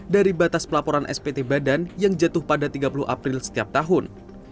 dari batas pelaporan spt badan yang jatuh pada tiga puluh april setiap tahun